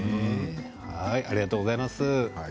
ありがとうございます。